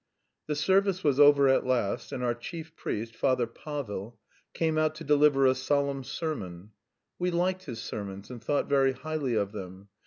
The service was over at last, and our chief priest, Father Pavel, came out to deliver a solemn sermon. We liked his sermons and thought very highly of them.